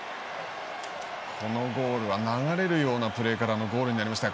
このゴールは流れるようなプレーからのゴールになりました。